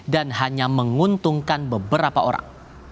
dan hanya menguntungkan beberapa orang